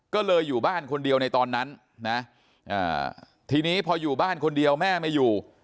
ก็เลยอยู่บ้านคนเดียวในตอนนั้นนะทีนี้พออยู่บ้านคนเดียวแม่ไม่อยู่